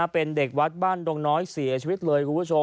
เป็นเด็กวัดบ้านดงน้อยเสียชีวิตเลยคุณผู้ชม